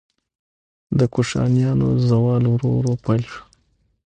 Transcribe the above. د کوشانیانو زوال ورو ورو پیل شو